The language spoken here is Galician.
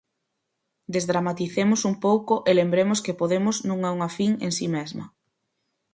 Desdramaticemos un pouco e lembremos que Podemos non é unha fin en si mesma.